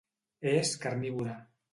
És carnívora.